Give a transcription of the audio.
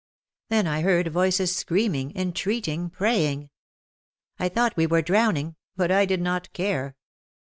Then I heard voices scream ing, entreating, praying. I thought we were drowning, but I did not care.